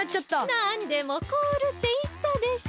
なんでもこおるっていったでしょ！